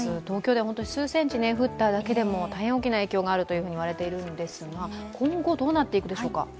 東京では数センチ降っただけでも大変大きな影響があるといわれているんですが、今後どうなっていくでしょうか？